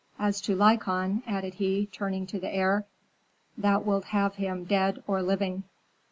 As to Lykon," added he, turning to the heir, "thou wilt have him, dead or living."